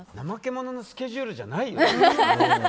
怠け者のスケジュールじゃないよ。